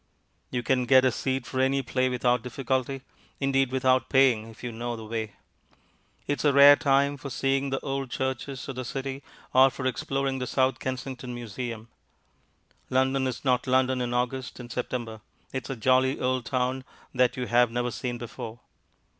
You can get a seat for any play without difficulty indeed, without paying, if you know the way. It is a rare time for seeing the old churches of the City or for exploring the South Kensington Museum. London is not London in August and September; it is a jolly old town that you have never seen before.